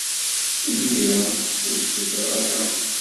Imir-a, ur stufaɣ ara.